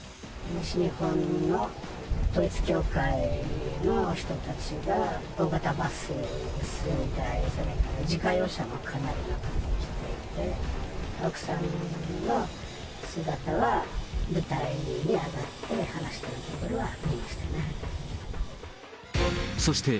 西日本の統一教会の人たちが、大型バス数台、それから自家用車もかなりの数来ていて、奥さんの姿は舞台に上がって話しているところは見ましたね。